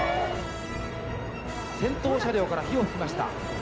先頭車両から火を噴きました。